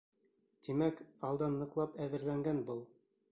Тимәк, алдан ныҡлап әҙерләнгән был.